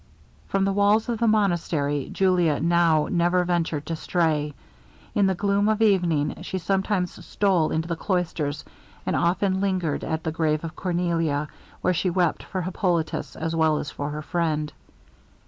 From the walls of the monastery, Julia now never ventured to stray. In the gloom of evening she sometimes stole into the cloisters, and often lingered at the grave of Cornelia, where she wept for Hippolitus, as well as for her friend.